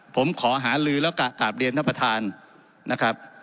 ผมขอหาลือแล้วกราบเรียนท่านประธานนะครับ